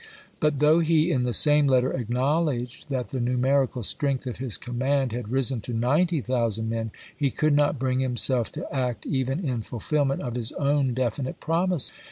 But though he, in the same Bueuto letter, acknowledged that the numerical strength of jan.i3,is62. his command had risen to ninety thousand men, vii.,"p. sis! he could not bring himself to act even in fulfill ment of his own definite promise.